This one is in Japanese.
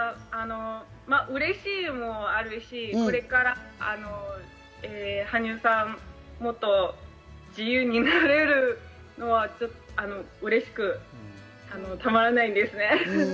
うれしいもあるし、これから羽生さんがもっと自由になれるのはうれしくたまらないですね。